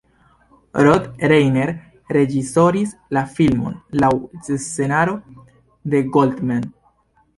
Rob Reiner reĝisoris la filmon laŭ scenaro de Goldman.